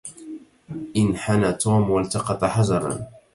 انحنى توم والتقط حجرا.